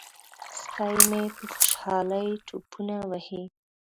سپی مې په خوشحالۍ ټوپونه وهي.